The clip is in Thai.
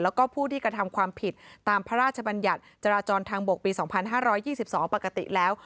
แล้วก็ผู้ที่กระทำความผิดตามพระราชบัญญัติจราจรทางบกปี๒๕๒๒ปกติแล้ว